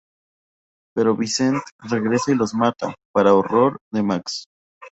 Pero Vincent regresa y los mata, para horror de Max.